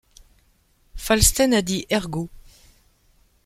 Falsten a dit :« Ergo ».